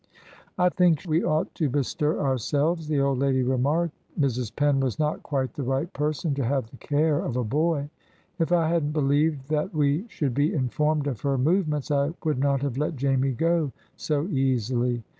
"I think we ought to bestir ourselves," the old lady remarked. "Mrs. Penn was not quite the right person to have the care of a boy. If I hadn't believed that we should be informed of her movements, I would not have let Jamie go so easily.